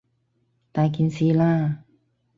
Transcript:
大件事喇！